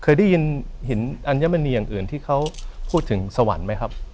เคยได้ยินหินอัญมณีอย่างอื่นที่เขาพูดถึงสวรรค์ไหมครับ